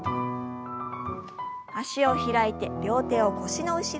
脚を開いて両手を腰の後ろ。